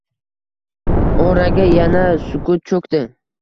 Oraga yana sukut cho`kdi